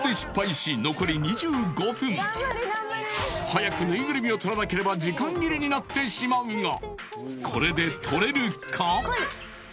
早くぬいぐるみを取らなければ時間切れになってしまうがこれで取れるか？